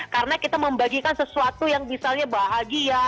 karena kita membagikan sesuatu yang misalnya bahagia